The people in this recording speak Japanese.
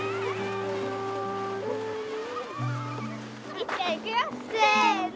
いっちゃんいくよ！せの！